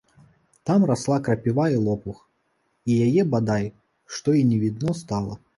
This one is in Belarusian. Там расла крапіва і лопух, і яе бадай што і не відно стала.